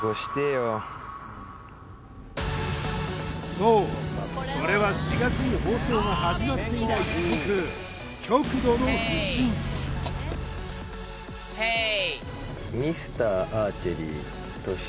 そうそれは４月に放送が始まって以来続く極度の不振ヘイ！